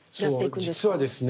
実はですね